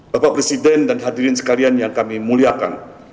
bapak presiden dan hadirin sekalian yang kami muliakan